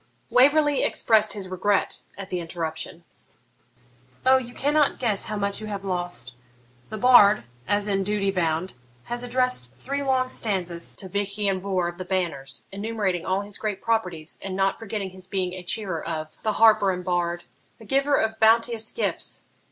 Waverley expressed his regret at the interruption. 'O you cannot guess how much you have lost! The bard, as in duty bound, has addressed three long stanzas to Vich Ian Vohr of the Banners, enumerating all his great properties, and not forgetting his being a cheerer of the harper and bard "a giver of bounteous gifts."